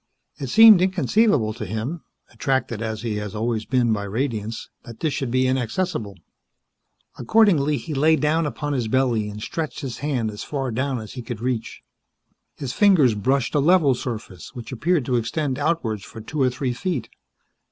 It seemed inconceivable to him attracted as he had always been by radiance that this should be inaccessible. Accordingly, he lay down upon his belly and stretched his hand as far down as he could reach. His fingers brushed a level surface which appeared to extend outwards for two or three feet.